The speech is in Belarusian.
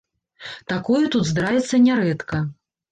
Такое тут здараецца нярэдка.